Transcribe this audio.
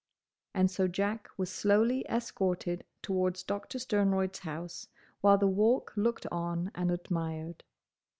And so Jack was slowly escorted towards Doctor Sternroyd's house, while the Walk looked on and admired.